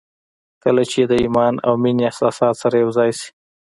کله چې د ايمان او مينې احساسات سره يو ځای شي.